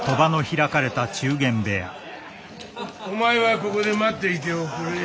お前はここで待っていておくれ。